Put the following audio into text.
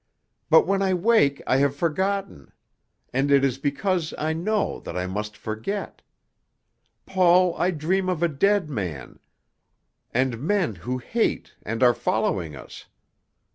But when I wake I have forgotten, and it is because I know that I must forget. Paul, I dream of a dead man, and men who hate and are following us.